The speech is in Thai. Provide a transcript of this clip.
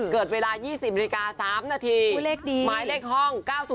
เกิดเวลา๒๐นาฬิกา๓นาทีหมายเลขห้อง๙๐